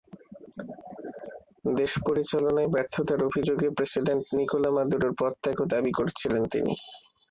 দেশ পরিচালনায় ব্যর্থতার অভিযোগে প্রেসিডেন্ট নিকোলা মাদুরোর পদত্যাগও দাবি করছিলেন তিনি।